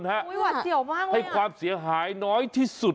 ให้ความเสียหายน้อยที่สุด